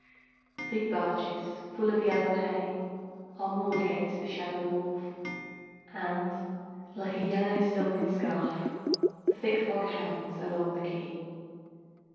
Big barges full of yellow hay Are moored against the shadowy wharf, And, like a yellow silken scarf, The thick fog hangs along the quay.